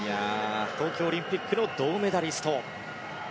東京オリンピックの銅メダリスト。